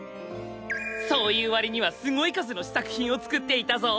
そういう割にはすごい数の試作品を作っていたぞ。